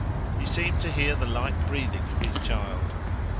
He seemed to hear the light breathing of his child.